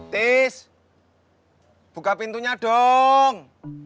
tis buka pintunya dong